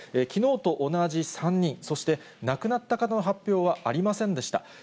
きのうと同じ３人、そして亡くなった方の発表はありませんでした。